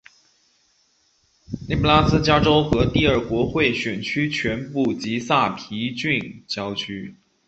内布拉斯加州第二国会选区全部及萨皮郡郊区。